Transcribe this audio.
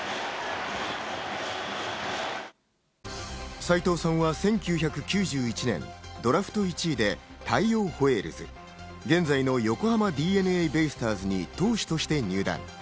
斎藤さんは１９９１年、ドラフト１位で大洋ホエールズ、現在の横浜ＤｅＮＡベイスターズに投手として入団。